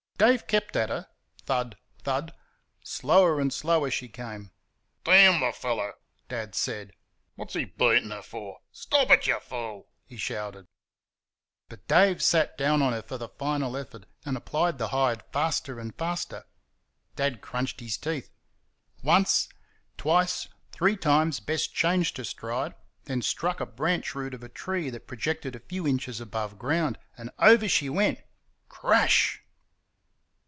Dave kept at her THUD! THUD! Slower and slower she came. "Damn the fellow!" Dad said; "what's he beating her for?" "Stop it, you fool!" he shouted. But Dave sat down on her for the final effort and applied the hide faster and faster. Dad crunched his teeth. Once twice three times Bess changed her stride, then struck a branch root of a tree that projected a few inches above ground, and over she went CRASH!